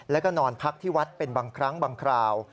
แล้วก็นอนพักที่วัดเป็นบางครั้งบางคราว